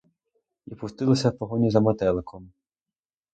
І пустилася в погоню за метеликом.